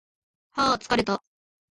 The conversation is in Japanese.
はー疲れた